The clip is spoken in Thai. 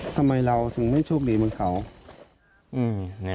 ทำไมเราถึงไม่โชคดีเหมือนเขา